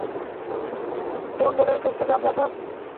অ্যারুনডেলের কেসটাতে আপনি আছেন?